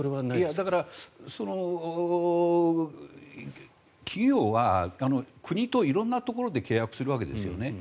だから、企業は国と色んなところで契約をするわけですよね。